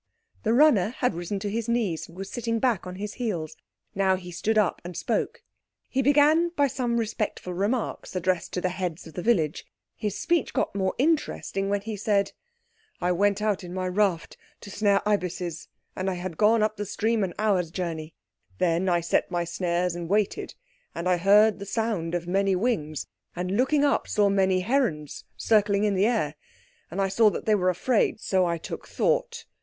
The runner had risen to his knees and was sitting back on his heels. Now he stood up and spoke. He began by some respectful remarks addressed to the heads of the village. His speech got more interesting when he said— "I went out in my raft to snare ibises, and I had gone up the stream an hour's journey. Then I set my snares and waited. And I heard the sound of many wings, and looking up, saw many herons circling in the air. And I saw that they were afraid; so I took thought.